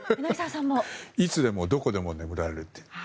いつでもどこでも眠られるという。